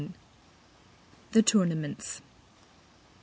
The TOURNAMENTS.